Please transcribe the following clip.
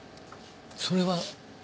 それは。